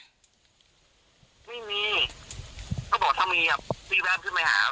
ก็บอกฉั่นมีอะพี่บ้านขึ้นไปหาตั้งนานแล้ว